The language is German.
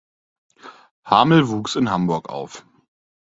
Hamel wuchs in Hamburg auf.